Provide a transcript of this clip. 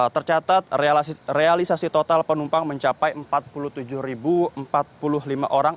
tercatat realisasi total penumpang mencapai empat puluh tujuh empat puluh lima orang